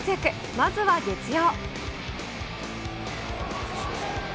まずは月曜。